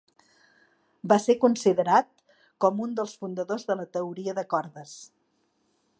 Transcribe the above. Va ser considerat con un dels fundadors de la teoria de cordes.